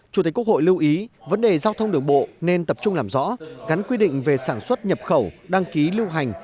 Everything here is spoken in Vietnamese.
chủ tịch quốc hội lưu ý vấn đề giao thông đường bộ nên tập trung làm rõ gắn quy định về sản xuất nhập khẩu đăng ký lưu hành